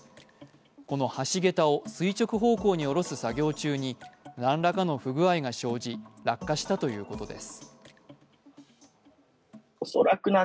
その橋桁を垂直方向に降ろす作業中に何らかの不具合が生じ、落下したということです。